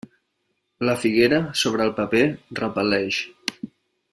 La figuera, sobre el paper, repel·leix.